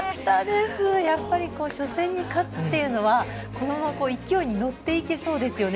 やっぱり初戦に勝つというのは勢いに乗っていけそうですよね。